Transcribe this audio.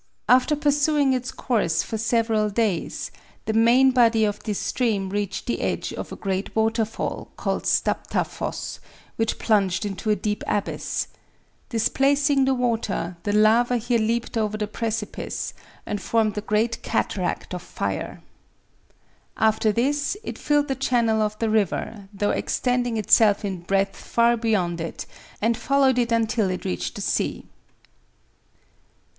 After pursuing its course for several days, the main body of this stream reached the edge of a great waterfall called Stapafoss, which plunged into a deep abyss. Displacing the water, the lava here leaped over the precipice, and formed a great cataract of fire. After this, it filled the channel of the river, though extending itself in breadth far beyond it, and followed it until it reached the sea.